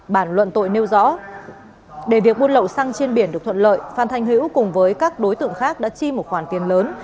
bản luận tội nêu rõ để việc buôn lậu xăng trên biển được thuận lợi phan thanh hữu cùng với các đối tượng khác đã chi một khoản tiền lớn